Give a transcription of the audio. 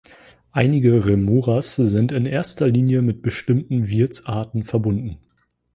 Einige Remoras sind in erster Linie mit bestimmten Wirtsarten verbunden.